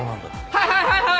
はいはいはいはい！